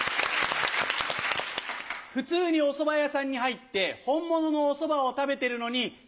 普通におそば屋さんに入って本物のおそばを食べてるのに。